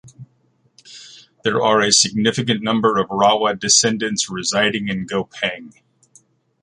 There are a significant number of Rawa descendants reside in Gopeng.